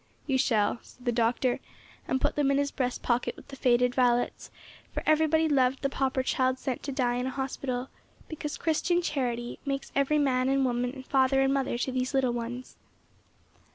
"You shall," said the Doctor, and put them in his breast pocket with the faded violets, for everybody loved the pauper child sent to die in a hospital, because Christian charity makes every man and woman father and mother to these little ones.